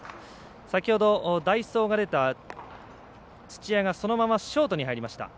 先ほど、代走が出た槌谷がそのままショートに入りました。